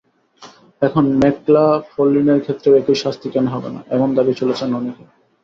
এখন ম্যাকলাফলিনের ক্ষেত্রেও একই শাস্তি কেন হবে না, এমন দাবি তুলেছেন অনেকে।